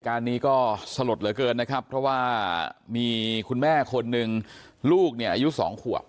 การนี้ก็สลดเหลือเกินนะครับเพราะว่ามีคุณแม่คนหนึ่งลูกเนี่ยอายุสองขวบ